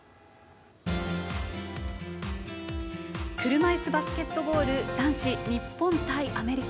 車いすバスケットボール男子日本対アメリカ。